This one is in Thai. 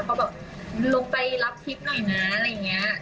เขาแบบลงไปรับคลิปหน่อยนะอะไรอย่างนี้